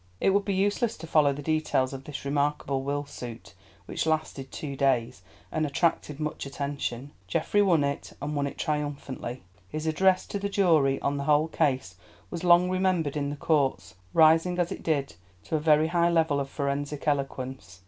It would be useless to follow the details of this remarkable will suit, which lasted two days, and attracted much attention. Geoffrey won it and won it triumphantly. His address to the jury on the whole case was long remembered in the courts, rising as it did to a very high level of forensic eloquence.